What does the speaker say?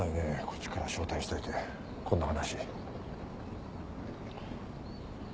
こっちから招待しておいてこんな話。